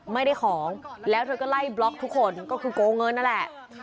ไม่ได้ของแล้วเธอก็ไล่บล็อกทุกคนก็คือโกงเงินนั่นแหละ